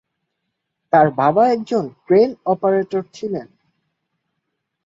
তার বাবা একজন ক্রেন অপারেটর ছিলেন।